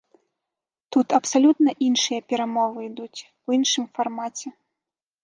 Тут абсалютна іншыя перамовы ідуць, у іншым фармаце.